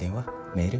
メール？